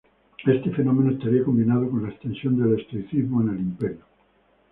Este fenómeno estaría combinado con la extensión del estoicismo en el Imperio.